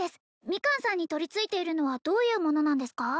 ミカンさんに取りついているのはどういうものなんですか？